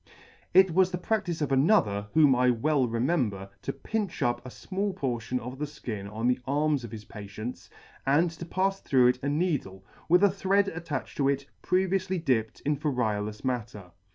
It was the practice of another, whom I well remember, to pinch up a fmall portion of the Ikin on the arms of his patients, and to pafs through it a needle, with a thread attached to it previoufly dipped in variolous matter.